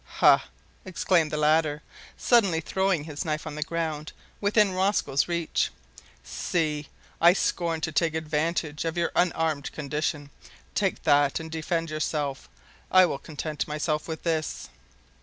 "Ha!" exclaimed the latter, suddenly throwing his knife on the ground within Rosco's reach, "see, I scorn to take advantage of your unarmed condition. Take that and defend yourself. I will content myself with this."